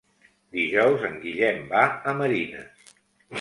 Dijous en Guillem va a Marines.